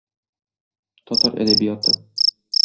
Татар әдәбияты.